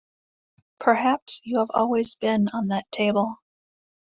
Perhaps you have always been on that table.